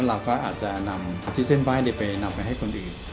เราก็อาจจะนำอาทิตยเส้นไหว้ไปนำไปให้คนอื่น